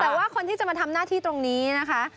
แต่ว่าคนที่จะมาทำหน้าที่ตรงนี้นะคะ